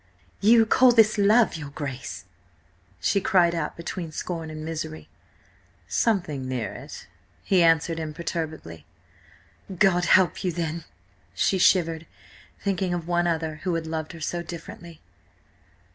"You call this love, your Grace?" she cried out, between scorn and misery. "Something near it," he answered imperturbably. "God help you then!" she shivered, thinking of one other who had loved her so differently.